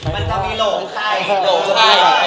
มันจะมีโหลไข่